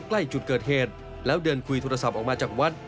ใกล้จุดเกิดเหตุแล้วเดินคุยโทรศัพท์ออกมาจากวัด